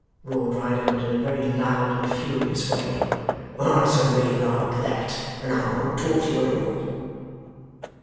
roared Riderhood, in a very loud and furious way. 'Answer me like that, and I won't talk to you at all.